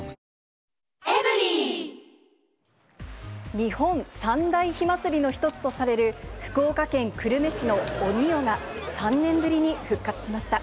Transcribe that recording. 日本三大火祭りの一つとされる福岡県久留米市の鬼夜が、３年ぶりに復活しました。